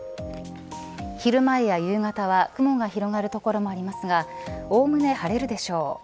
昼間や夕方は雲が広がる所もありますがおおむね晴れるでしょう。